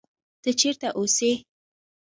ته چېرې اوسې؟